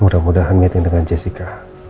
mudah mudahan meeting dengan jessica